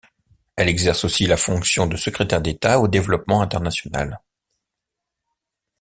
Elle exerce aussi la fonction de secrétaire d'État au Développement international.